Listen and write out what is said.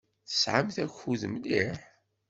Tesɛamt akud mliḥ.